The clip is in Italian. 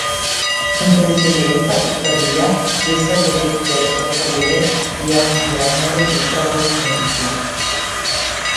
In precedenza, tuttavia, essa dovette soffrire di ogni genere di stravolgimenti.